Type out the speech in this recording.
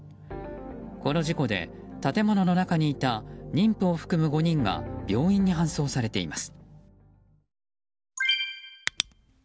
この事故で建物の中にいた妊婦を含む５人が病院に搬送されています。